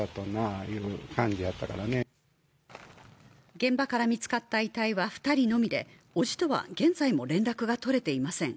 現場から見つかった遺体は２人のみで伯父とは現在も連絡が取れていません。